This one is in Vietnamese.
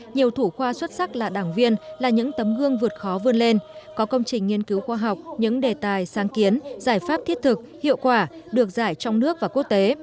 nhiều thủ khoa xuất sắc là đảng viên là những tấm gương vượt khó vươn lên có công trình nghiên cứu khoa học những đề tài sáng kiến giải pháp thiết thực hiệu quả được giải trong nước và quốc tế